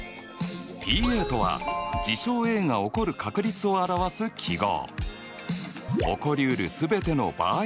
Ｐとは事象Ａが起こる確率を表す記号。